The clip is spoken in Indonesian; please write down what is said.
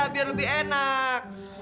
biar lebih enak